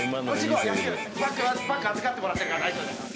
バッグ預かってもらってるから大丈夫だよ